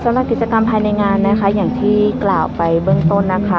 สำหรับกิจกรรมภายในงานนะคะอย่างที่กล่าวไปเบื้องต้นนะคะ